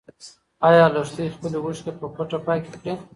ايا لښتې خپلې اوښکې په پټه پاکې کړې؟